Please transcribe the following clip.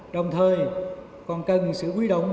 đồng thời còn cần sự quy động